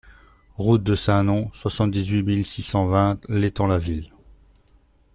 Route de Saint-Nom, soixante-dix-huit mille six cent vingt L'Étang-la-Ville